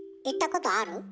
行ったことある？